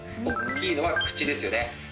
おっきいのは口ですよね。